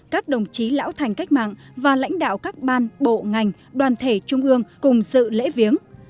các đồng chí lão thành cách mạng và lãnh đạo các ban bộ ngành đoàn thể trung ương cùng sự lễ viếng